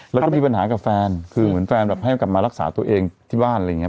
แล้วก็มีปัญหากับแฟนคือเหมือนแฟนแบบให้กลับมารักษาตัวเองที่บ้านอะไรอย่างเง